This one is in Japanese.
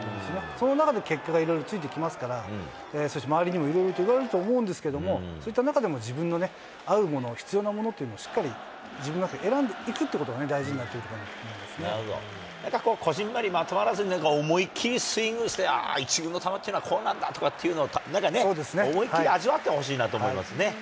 その中で結果がいろいろ、ついてきますから、そして周りにもいろいろ言われると思うんですけど、そういった中でも、自分の合うもの、必要なものというのを自分の中で選んでいくということが、大事に小さくこぢんまりまとまらずに、思い切りスイングして、１軍の球というのはこうなんだとかっていうのを、思いきり味わってほしいなと思いますね。